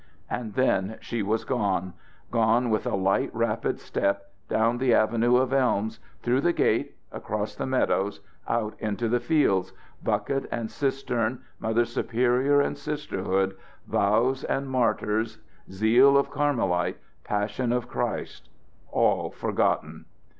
And then she was gone gone with a light, rapid step, down the avenue of elms, through the gate, across the meadows, out into the fields bucket and cistern, Mother Superior and sisterhood, vows and martyrs, zeal of Carmelite, passion of Christ, all forgotten.